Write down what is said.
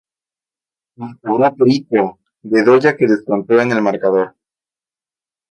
Lo cobró "Perico" Bedoya que descontó en el marcador.